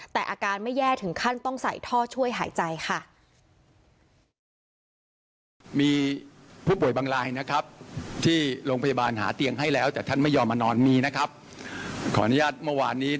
แต่อาการไม่แย่ถึงขั้นต้องใส่ท่อช่วยหายใจค่ะ